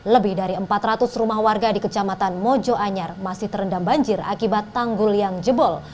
lebih dari empat ratus rumah warga di kecamatan mojoanyar masih terendam banjir akibat tanggul yang jebol